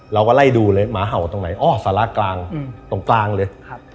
เราก็ไล่ดูเลยหมาเห่าตรงไหนอ้อสาระกลางตรงกลางเลย